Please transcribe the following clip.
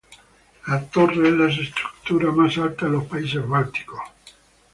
La torre es la estructura más alta en los países bálticos.